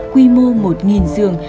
quy mô một giường